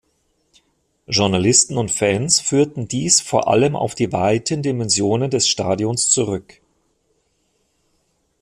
Journalisten und Fans führten dies vor allem auf die weiten Dimensionen des Stadions zurück.